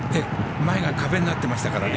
前が壁になってましたからね。